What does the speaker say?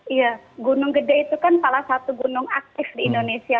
iya gunung gede itu kan salah satu gunung aktif di indonesia